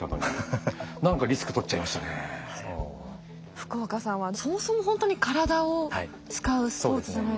福岡さんはそもそもほんとに体を使うスポーツじゃないですか。